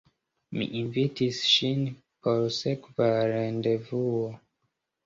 Mi invitis ŝin por sekva rendevuo.